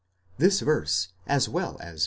This verse, as well as v.